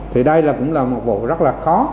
thì đây cũng là một vụ rất là khó